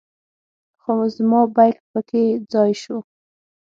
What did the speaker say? خو زما بیک په کې ځای شو.